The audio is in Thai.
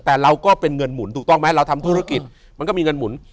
แต่เราก็เป็นเงินหมุนถูกต้องไหมเราทำธุรกิจมันก็มีเงินหมุน